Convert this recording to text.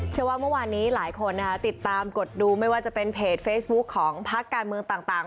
เชื่อว่าเมื่อวานนี้หลายคนนะคะติดตามกดดูไม่ว่าจะเป็นเพจเฟซบุ๊คของพักการเมืองต่าง